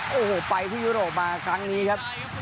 โอ้โหไปที่ยุโรปมาครั้งนี้ครับ